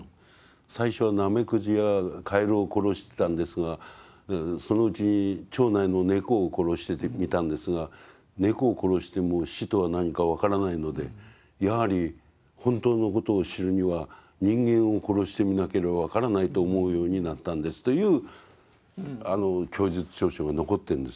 「最初はナメクジやカエルを殺してたんですがそのうちに町内のネコを殺してみたんですがネコを殺しても死とは何か分からないのでやはり本当のことを知るには人間を殺してみなければ分からないと思うようになったんです」という供述調書が残ってるんですよね。